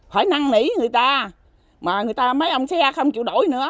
phải năn nỉ người ta mà người ta mấy ông xe không chịu đổi nữa